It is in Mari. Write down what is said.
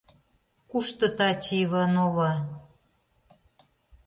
Кушто таче Иванова?